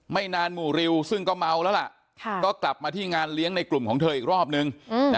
นานหมู่ริวซึ่งก็เมาแล้วล่ะก็กลับมาที่งานเลี้ยงในกลุ่มของเธออีกรอบนึง